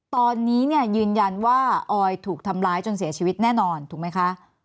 ตอนนี้เนี่ยยืนยันว่าออยถูกทำร้ายจนเสียชีวิตแน่นอนถูกไหมคะ